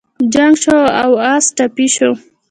جنګ شو او اس ټپي شو.